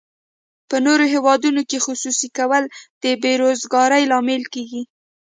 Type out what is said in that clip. په نورو هیوادونو کې خصوصي کول د بې روزګارۍ لامل کیږي.